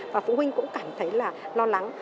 và phụ huynh cũng cảm thấy là lo lắng